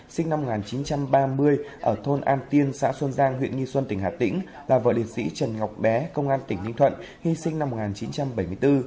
sinh năm một nghìn chín trăm ba mươi ở thôn an tiên xã xuân giang huyện nghi xuân tỉnh hà tĩnh là vợ liệt sĩ trần ngọc bé công an tỉnh ninh thuận hy sinh năm một nghìn chín trăm bảy mươi bốn